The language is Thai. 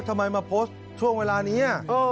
ทำไมมาโพสต์ช่วงเวลานี้